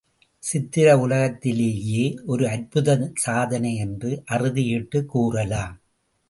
சித்திர உலகிலேயே ஒரு அற்புத சாதனை என்று அறுதியிட்டுக் கூறலாம்.